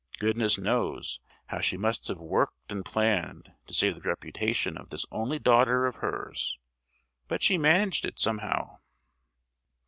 Goodness knows how she must have worked and planned to save the reputation of this only daughter of hers; but she managed it somehow.